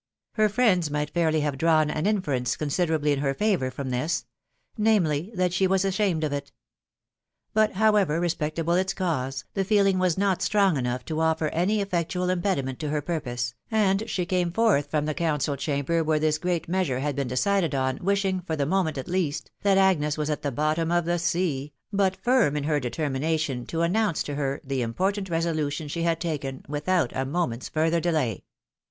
Her friends might fairly have drawn an inference considerably in her favour from this, .... namely, that she was ashamed of it. But however respectable its cause, the feeHng was not strong enough to offer any effectual impediment to her purpose, and «be came forth from the councU chanfber where this great measure had been decided on, wishing, for the moment at least, that Agnes was at £he bottom of the sea, but frrm m Yist fafetfEasfe^^to1^ H 4t 104 TOE WIDOW BABNABY. nounce to her the important resolution she had taken, without a moment's further delay.